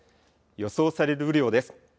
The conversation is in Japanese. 予想される雨量です。